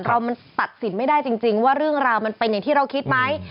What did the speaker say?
เรามันตัดสินไม่ได้จริงว่าเรื่องราวมันเป็นอย่างที่เราคิดไหม